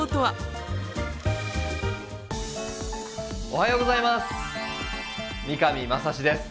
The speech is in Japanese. おはようございます。